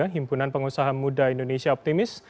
himpunan pengusaha muda indonesia optimis